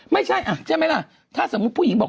ไม่ใช่ใช่ไหมล่ะถ้าสมมุติผู้หญิงบอก